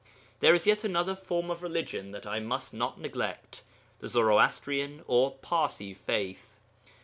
There is yet another form of religion that I must not neglect the Zoroastrian or Parsi faith.